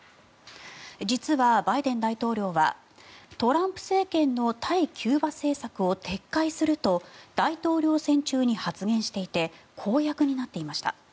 実は、バイデン大統領はトランプ政権の対キューバ政策を撤回すると大統領選中に発言していて公約になっていました。